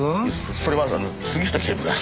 それは杉下警部が。